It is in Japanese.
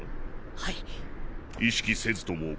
はい。